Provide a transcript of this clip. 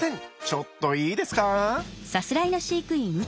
ちょっといいですか？